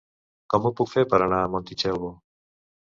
Com ho puc fer per anar a Montitxelvo?